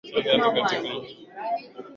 na kuwa mrefu sana lazima angalau katika shukrani